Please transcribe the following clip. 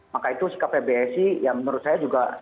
maka itu sikap pbsi yang menurut saya juga